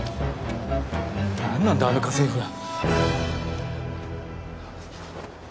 なんなんだあの家政婦は。